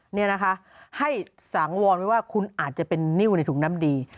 นี่นะคะให้สังวรไว้ว่าคุณอาจจะเป็นนิ้วในถุงน้ำดี